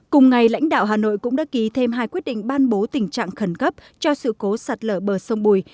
cùng ngày lãnh đạo hà nội cũng đã ký thêm hai quyết định ban bố tình trạng khẩn cấp cho sự cố sạt lở bờ sông bùi